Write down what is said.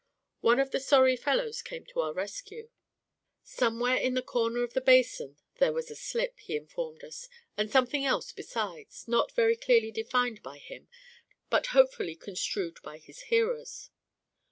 One of the sorry fellows came to the rescue. Somewhere in the corner of the basin there was a slip, he informed us, and something else besides, not very clearly defined by him, but hopefully construed by his hearers.